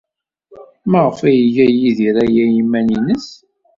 Maɣef ay iga Yidir aya i yiman-nnes?